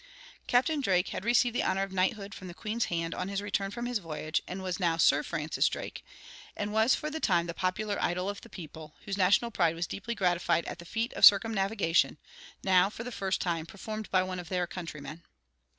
Captain Drake had received the honor of knighthood from the Queen's hand on his return from his voyage, and was now Sir Francis Drake, and was for the time the popular idol of the people, whose national pride was deeply gratified at the feat of circumnavigation, now for the first time performed by one of their countrymen.